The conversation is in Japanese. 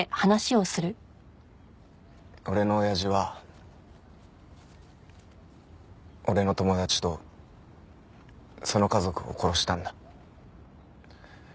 俺の親父は俺の友達とその家族を殺したんだ。